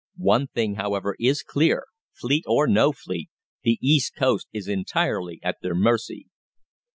One thing, however, is clear fleet or no fleet, the east coast is entirely at their mercy."